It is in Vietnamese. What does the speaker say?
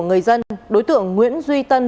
người dân đối tượng nguyễn duy tân